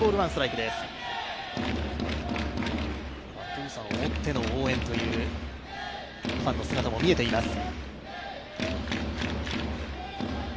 プーさんを持っての応援というファンの姿も見えています。